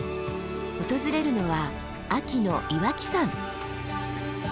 訪れるのは秋の岩木山。